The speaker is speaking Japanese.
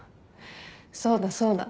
そうだそうだ。